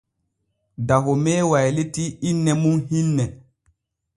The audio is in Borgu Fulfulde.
Dahome waylitii inne mum hinne.